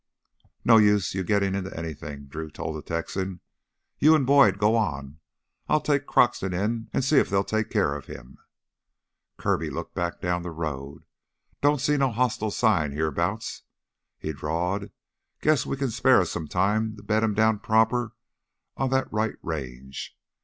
"No use you gettin' into anything," Drew told the Texan. "You and Boyd go on! I'll take Croxton in and see if they'll take care of him." Kirby looked back down the road. "Don't see no hostile sign heah 'bouts," he drawled. "Guess we can spare us some time to bed him down proper on th' right range.